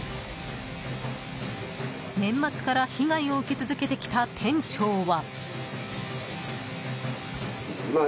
年末から被害を受け続けてきた店長は。